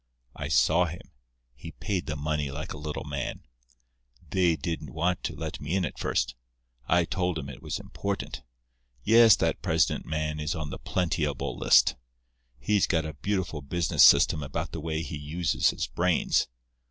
"I saw him. He paid the money like a little man. They didn't want to let me in at first. I told 'em it was important. Yes, that president man is on the plenty able list. He's got a beautiful business system about the way he uses his brains.